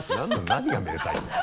何がめでたいんだよ？